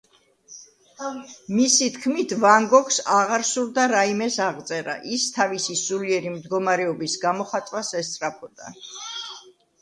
მისი თქმით ვან გოგს აღარ სურდა რაიმეს აღწერა, ის თავისი სულიერი მდგომარეობის გამოხატვას ესწრაფოდა.